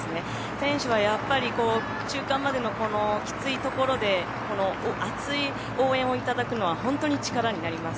選手はやっぱり中間までのきついところで熱い応援をいただくのはほんとに力になります。